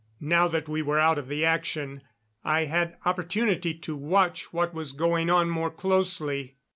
Now that we were out of the action, I had opportunity to watch what was going on more closely.